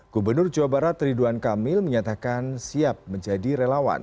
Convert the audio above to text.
gubernur jawa barat ridwan kamil menyatakan siap menjadi relawan